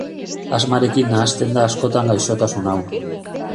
Asmarekin nahasten da askotan gaixotasun hau.